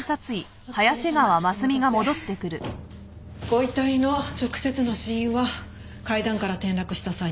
ご遺体の直接の死因は階段から転落した際に負った脳挫傷。